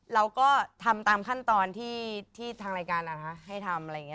เราก็ทำตามขั้นตอนที่ทางรายการให้ทำ